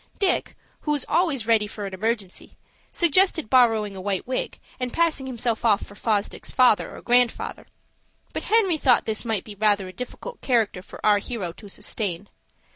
Dick, who was always ready for an emergency, suggested borrowing a white wig, and passing himself off for Fosdick's father or grandfather. But Henry thought this might be rather a difficult character for our hero to sustain.